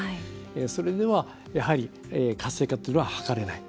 それでは、やはり活性化っていうのは図れない。